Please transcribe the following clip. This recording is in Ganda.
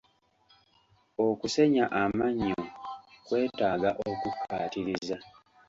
Okusenya amannyo kwetaaga okukkaatiriza.